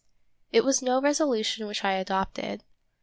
It was no resolution which I adopted.